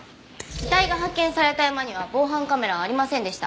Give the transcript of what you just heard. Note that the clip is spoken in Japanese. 遺体が発見された山には防犯カメラはありませんでした。